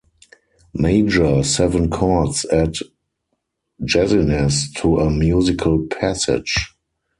Major seven chords add jazziness to a musical passage.